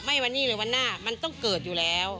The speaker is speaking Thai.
ไม่วันนี้เลยวันหน้ามันต้องเกิดอยู่แล้ว